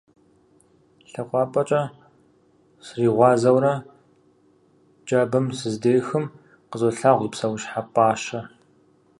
ЛъакъуапӀэхэм сригъуазэурэ джабэм сыздехым, къызолъагъу зы псэущхьэ пӀащэ.